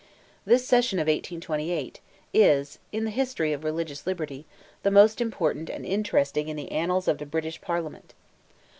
This session of 1828, is—in the history of religious liberty—the most important and interesting in the annals of the British Parliament.